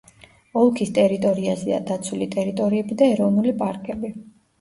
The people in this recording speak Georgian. ოლქის ტერიტორიაზეა დაცული ტერიტორიები და ეროვნული პარკები.